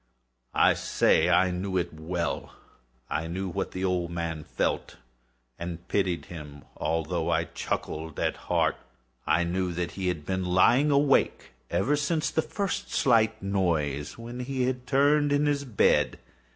I say I knew it well. I knew what the old man felt, and pitied him, although I chuckled at heart. I knew that he had been lying awake ever since the first slight noise, when he had turned in the bed.